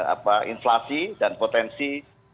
apa inflasi dan potensi